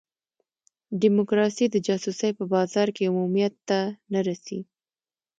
ډیموکراسي د جاسوسۍ په بازار کې عمومیت ته نه رسي.